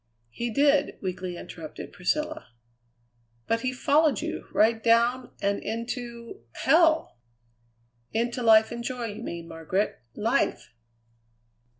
"He did!" weakly interrupted Priscilla. "But he followed you right down, and into hell!" "Into life and joy, you mean, Margaret life!"